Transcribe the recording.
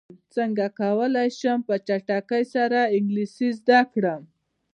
څنګه کولی شم په چټکۍ سره انګلیسي زده کړم